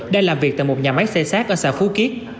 đang làm việc tại một nhà máy xe sát ở xa phú kiết